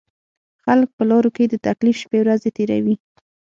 خلک په لارو کې د تکلیف شپېورځې تېروي.